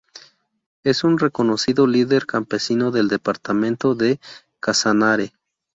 Es un reconocido líder campesino del departamento de Casanare.